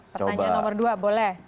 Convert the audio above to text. pertanyaan nomor dua boleh